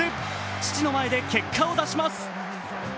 父の前で結果を出します。